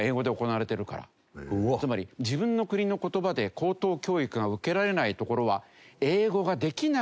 つまり自分の国の言葉で高等教育が受けられない所は。